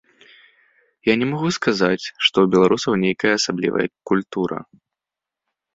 Я не магу сказаць, што ў беларусаў нейкая асаблівая культура.